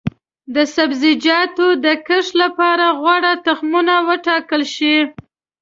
د سبزیجاتو د کښت لپاره غوره تخمونه وټاکل شي.